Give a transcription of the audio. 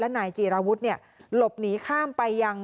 และนายจีราวุธเนี่ยหลบหีค่ามไปยัง